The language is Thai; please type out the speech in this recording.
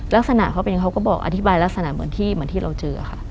ลักษณะเขาเป็นอย่างเขาก็บอกอธิบายลักษณะเหมือนที่เราเจอค่ะ